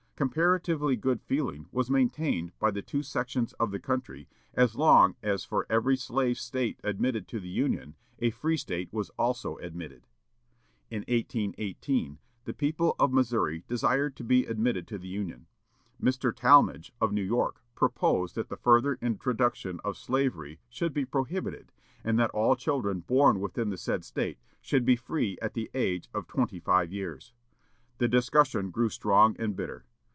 Comparatively good feeling was maintained by the two sections of the country as long as for every slave State admitted to the Union a free State was also admitted. In 1818, the people of Missouri desired to be admitted to the Union. Mr. Tallmadge of New York proposed that the further introduction of slavery should be prohibited, and that all children born within the said State should be free at the age of twenty five years. The discussion grew strong and bitter.